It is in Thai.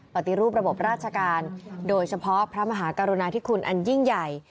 ปฏิรูประบบราชการโดยเฉพาะพระมหากรุณาธิคุณอันยิ่งใหญ่